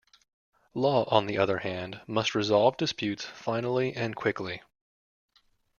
Law, on the other hand, must resolve disputes finally and quickly.